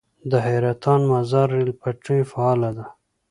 د حیرتان - مزار ریل پټلۍ فعاله ده؟